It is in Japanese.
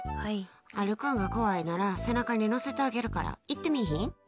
歩くのが怖いなら背中に乗せてあげるから行ってみいひん？